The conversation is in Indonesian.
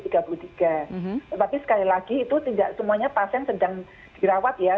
tetapi sekali lagi itu tidak semuanya pasien sedang dirawat ya